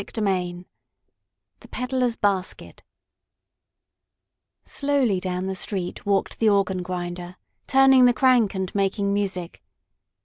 CHAPTER VI THE PEDDLER'S BASKET Slowly down the street walked the organ grinder, turning the crank and making music.